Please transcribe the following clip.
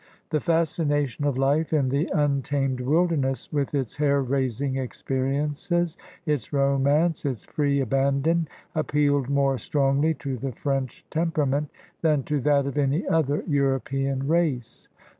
The fascination of life in the untamed wilderness with its hair raising experiences, its romance, its free abandon, appealed more strongly to the French temperament than to that of any other European race.